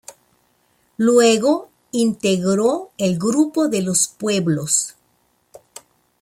Luego integró el grupo De los Pueblos.